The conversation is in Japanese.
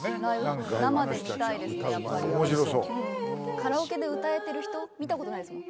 カラオケで歌えてる人見たことないですもん。